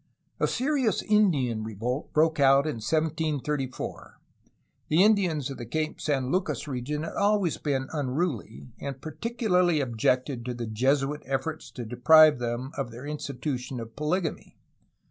A serious Indian revolt broke out in 1734. The Indians of the Cape San Lucas region had always been unruly, and particularly objected to the Jesuit efforts to deprive them of their institution of polygamy.